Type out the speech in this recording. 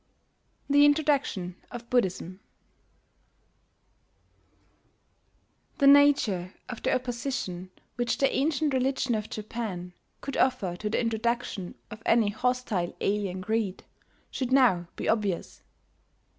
THE INTRODUCTION OF BUDDHISM The nature of the opposition which the ancient religion of Japan could offer to the introduction of any hostile alien creed, should now be obvious.